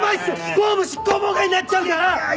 公務執行妨害になっちゃうから！